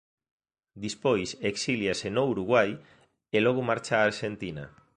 Despois exíliase no Uruguai e logo marcha á Arxentina.